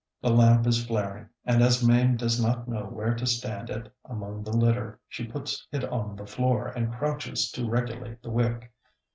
The lamp is flaring, and as Mame does not know where to stand it among the litter, she puts it on the floor and crouches to regulate the wick.